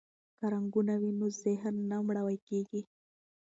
که رنګونه وي نو ذهن نه مړاوی کیږي.